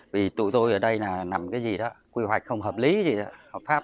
vì tụi tôi ở đây là nằm cái gì đó quy hoạch không hợp lý gì đó hợp pháp